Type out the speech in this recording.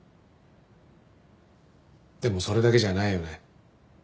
でもそれだけじゃないよね。